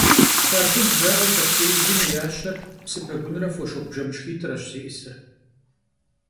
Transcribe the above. Xharbız jja'eu lhapsêiju mı yaşer psı pegunre foşığu bjjemışşxit'ş zı'ısır.